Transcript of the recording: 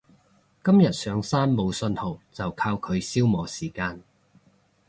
今日上山冇訊號就靠佢消磨時間